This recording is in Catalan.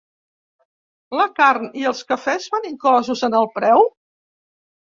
La carn i els cafès van inclosos en el preu?